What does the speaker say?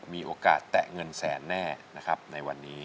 มีโอกาสแตะเงินแสนแน่นะครับในวันนี้